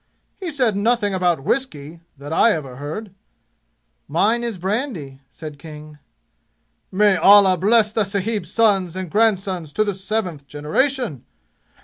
"He said nothing about whiskey, that I ever heard!" "Mine is brandy," said King. "May Allah bless the sahib's sons and grandsons to the seventh generation!